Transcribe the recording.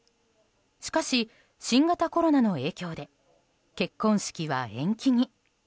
しかし、新型コロナの影響で結婚式は延期に。